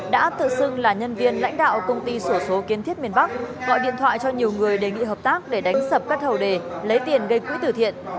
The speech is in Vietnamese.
đã tự xưng là nhân viên lãnh đạo công ty sổ số kiến thiết miền bắc gọi điện thoại cho nhiều người đề nghị hợp tác để đánh sập các hầu đề lấy tiền gây quỹ tử thiện